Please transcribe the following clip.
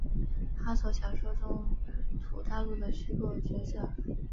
哈索小说中土大陆的虚构角色。